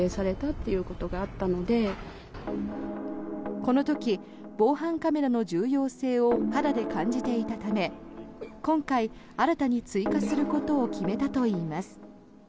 この時、防犯カメラの重要性を肌で感じていたため今回、新たに追加することを決めたといいます。